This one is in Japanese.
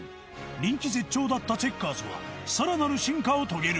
人気絶頂だったチェッカーズはさらなる進化を遂げる。